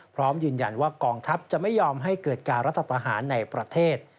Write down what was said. พร้อมยืนยันว่ากองทัพจะไม่ยอมให้เกิดการรัฐประหารในประเทศ